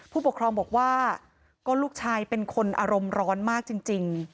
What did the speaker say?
ผู้ปกครองบอกว่าก็ลูกชายเป็นคนอารมณ์ร้อนมากจริง